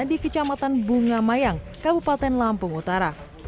di kecamatan bunga mayang kabupaten lampung utara